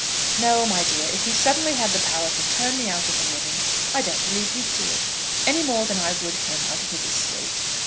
"No, my dear. If he suddenly had the power to turn me out of the living I don't believe he'd do it, any more than I would him out of his estate.